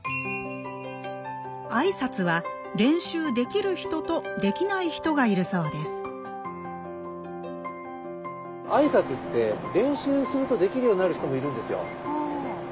あいさつは練習できる人とできない人がいるそうですあいさつって練習するとできるようになる人もいるんですよ。